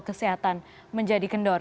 kesehatan menjadi kendor